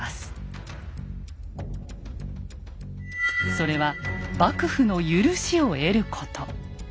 それは幕府の許しを得ること。